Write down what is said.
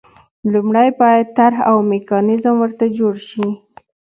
لومړی باید طرح او میکانیزم ورته جوړ شي.